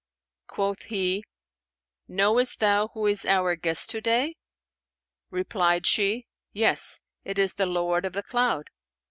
Quoth he, 'Knowest thou who is our guest to day?' Replied she, 'Yes, it is the Lord of the Cloud.'